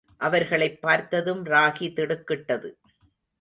அவர்களைப் பார்த்ததும் ராகி திடுக்கிட்டது.